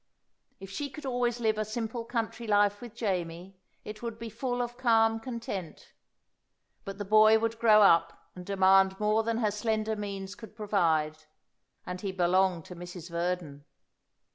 If she could always live a simple country life with Jamie, it would be full of calm content. But the boy would grow up and demand more than her slender means could provide; and he belonged to Mrs. Verdon.